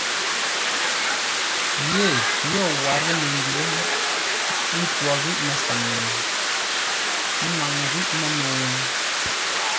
Yee yo warə́ məngyě, ə́ ntwǒr ghíʼ mə́saŋ, ə́ ŋwaŋə́ ghíʼ mə́nəu ?